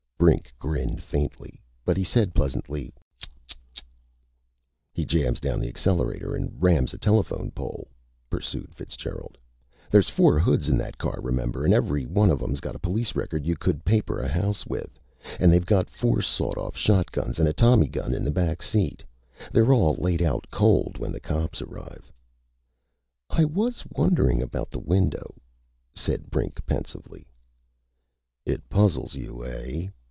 Brink grinned faintly, but he said pleasantly: "Tsk. Tsk. Tsk." "He jams down the accelerator and rams a telephone pole," pursued Fitzgerald. "There's four hoods in that car, remember, and every one of 'em's got a police record you could paper a house with. And they've got four sawed off shotguns and a tommy gun in the back seat. They're all laid out cold when the cops arrive." "I was wondering about the window," said Brink, pensively. "It puzzles you, eh?"